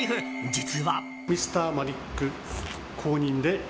実は。